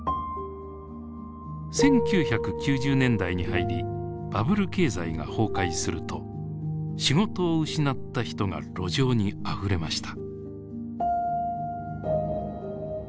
１９９０年代に入りバブル経済が崩壊すると仕事を失った人が路上にあふれました。